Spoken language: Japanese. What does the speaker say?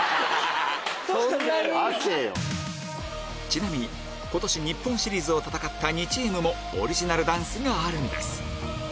ちなみに今年日本シリーズを戦った２チームもオリジナルダンスがあるんです